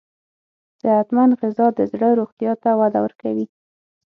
صحتمند غذا د زړه روغتیا ته وده ورکوي.